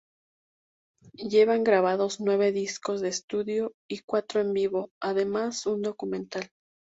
Llevan grabados nueve discos de estudio y cuatro en vivo, además de un documental.